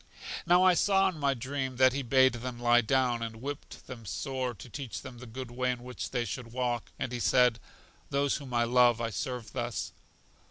Now I saw in my dream that he bade them lie down, and whipt them sore, to teach them the good way in which they should walk; and he said: Those whom I love I serve thus.